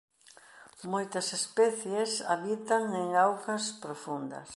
Moitas especies habitan en augas profundas.